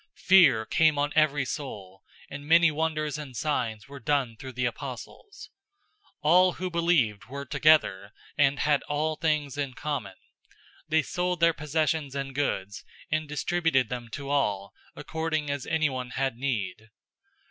002:043 Fear came on every soul, and many wonders and signs were done through the apostles. 002:044 All who believed were together, and had all things in common. 002:045 They sold their possessions and goods, and distributed them to all, according as anyone had need.